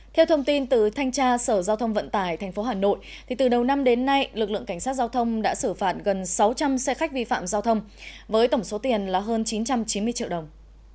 theo thông tin từ thanh tra sở giao thông vận tải tp hà nội từ đầu năm đến nay lực lượng cảnh sát giao thông đã xử phạt gần sáu trăm linh xe khách vi phạm giao thông với tổng số tiền là hơn chín trăm chín mươi triệu đồng